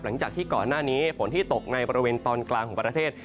หลังจากที่ก่อนหน้านี้ฝนที่ตกในบริเวณตอนกลางของประเทศ